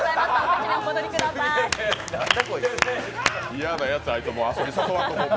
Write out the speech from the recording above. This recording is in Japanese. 嫌なやつ、あいつ、もう遊び誘わんとこ